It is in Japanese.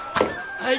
はい！